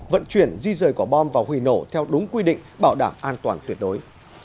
vận chuyển di rời quả bom và hủy nổ theo đúng quy định bảo đảm an toàn tuyệt đối